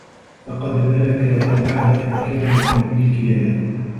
فَقَدْ مَلَكَهَا بَعْدَ أَنْ كَانَ فِي مِلْكِهَا